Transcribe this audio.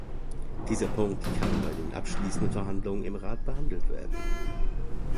Dieser Punkt kann bei den abschließenden Verhandlungen im Rat behandelt werden.